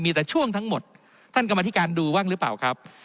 มีแต่ช่วงทั้งหมดท่านกรรมธิการดูบ้างหรือเปล่าครับ